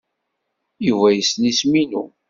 Yuba yessen isem-inu?